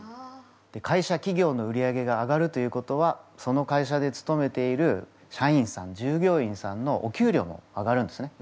会社企業の売り上げが上がるということはその会社でつとめている社員さん従業員さんのお給料も上がるんですね。